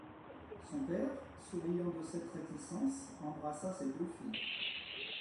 Son père, souriant de cette réticence, embrassa ses deux filles.